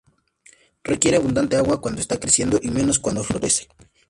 Requiere abundante agua cuando está creciendo y menos cuando florece.